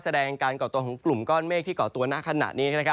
แสดงการก่อตัวของกลุ่มก้อนเมฆที่เกาะตัวณขณะนี้